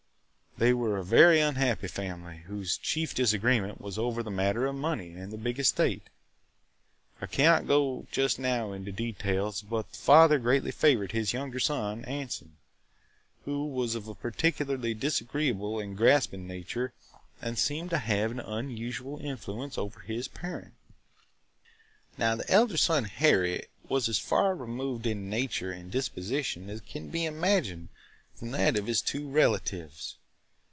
They were a very unhappy family, whose chief disagreement was over the matter of money and the big estate. I cannot just now go into details, but the father greatly favored his younger son, Anson, who was of a particularly disagreeable and grasping nature and seemed to have an unusual influence over his parent. "The elder son, Harry, was as far removed in nature and disposition as can be imagined from that of his two relatives.